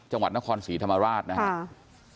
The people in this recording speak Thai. จังหวัดนครศรีธรรมราชนะครับ